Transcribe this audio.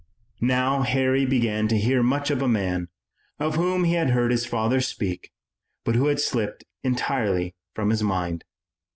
Now Harry began to hear much of a man, of whom he had heard his father speak, but who had slipped entirely from his mind.